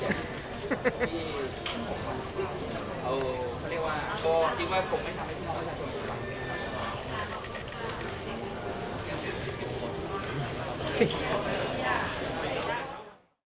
เออไม่ได้ว่าฟองจริงว่าผมไม่ทำให้ฟอง